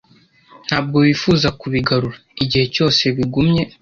Ntabwo wifuza kubigarura, igihe cyose bigumye